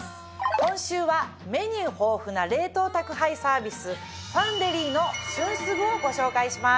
今週はメニュー豊富な冷凍宅配サービスファンデリーの「旬すぐ」をご紹介します。